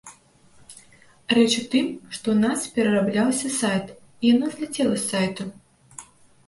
Рэч у тым, што ў нас перарабляўся сайт, і яно зляцела з сайту.